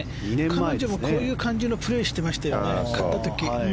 彼女もこういう感じのプレーをしていましたよね、勝った時。